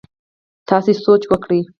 تاسي سوچ وکړئ!